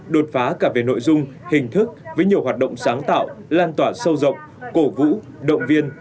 đột phá cả về nội dung hình thức với nhiều hoạt động sáng tạo lan tỏa sâu rộng cổ vũ động viên